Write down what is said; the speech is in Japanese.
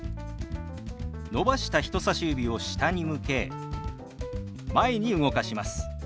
伸ばした人さし指を下に向け前に動かします。